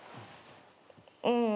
うん。